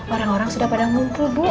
orang orang sudah pada ngumpul bu